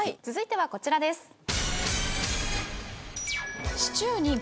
続いてはこちらです。